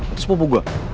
itu sepupu gue